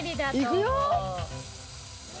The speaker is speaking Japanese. いくよ。